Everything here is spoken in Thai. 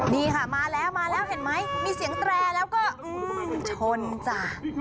นี่ค่ะมาแล้วมาแล้วเห็นไหมมีเสียงแตรแล้วก็ชนจ้ะ